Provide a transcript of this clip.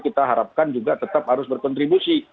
kita harapkan juga tetap harus berkontribusi